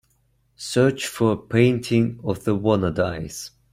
search for a painting of The Wannadies